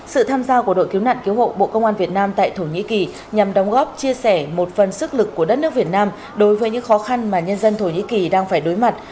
sự tham gia của đội cứu nạn cứu hộ bộ công an việt nam tại thổ nhĩ kỳ nhằm đóng góp chia sẻ một phần sức lực của đất nước việt nam đối với những khó khăn mà nhân dân thổ nhĩ kỳ đang phải đối mặt